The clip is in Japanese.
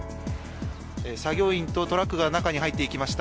作業員とトラックが中に入っていきました。